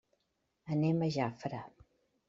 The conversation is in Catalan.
Anem a Jafre.